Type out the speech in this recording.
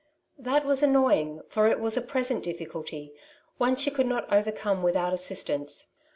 That was annoying, for it was a present difficulty, one she could not overcome without assistance.